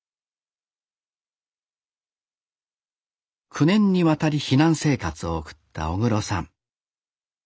９年にわたり避難生活を送った小黒さん。